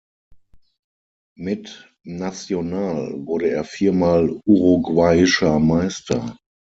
Mit Nacional wurde er viermal Uruguayischer Meister.